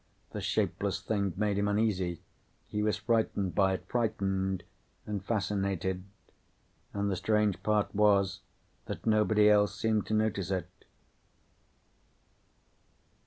The shapeless thing made him uneasy. He was frightened by it. Frightened and fascinated. And the strange part was that nobody else seemed to notice it.